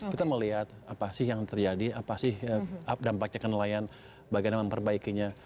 kita melihat apa sih yang terjadi apa sih dampaknya ke nelayan bagaimana memperbaikinya